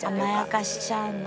甘やかしちゃうんだ。